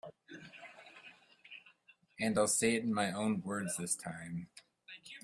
And I'll say it in my own words this time.